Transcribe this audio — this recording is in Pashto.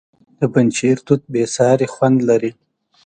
د پنجشیر توت بې ساري خوند لري.